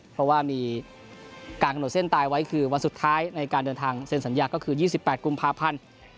เพราะว่ามีการกำหนดเส้นตายไว้คือวันสุดท้ายในการเดินทางเซ็นสัญญาก็คือ๒๘กุมภาพันธ์